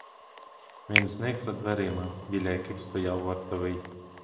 Він зник за дверима, біля яких стояв вартовий.